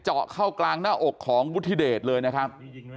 เจาะเข้ากลางหน้าอกของวุฒิเดชเลยนะครับ